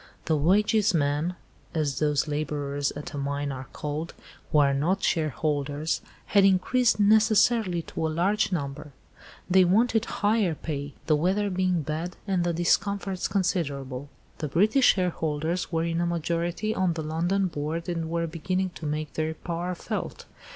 The 'wages men'—as those labourers at a mine are called, who are not shareholders—had increased necessarily to a large number; they wanted higher pay, the weather being bad and the discomforts considerable. The British shareholders were in a majority on the London Board and were beginning to make their power felt.